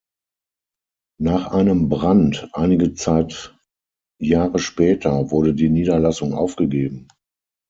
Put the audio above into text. Nach einem Brand einige Zeit Jahre später wurde die Niederlassung aufgegeben.